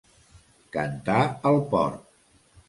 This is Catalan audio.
Cantar el porc.